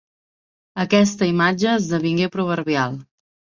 Aquesta imatge esdevingué proverbial.